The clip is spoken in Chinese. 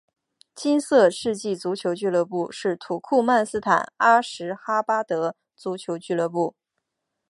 金色世纪足球俱乐部是土库曼斯坦阿什哈巴德足球俱乐部。